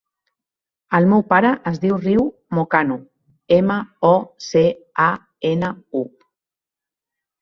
El meu pare es diu Riu Mocanu: ema, o, ce, a, ena, u.